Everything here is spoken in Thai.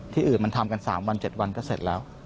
ที่อื่นมันทำกัน๓วัน๗วันก็เสร็จแล้ว